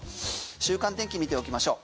週間天気見ておきましょう。